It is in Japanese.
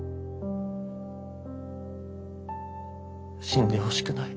死んでほしくない。